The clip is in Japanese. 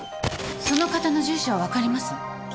その方の住所分かります？